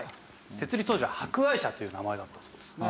設立当時は博愛社という名前だったそうですね。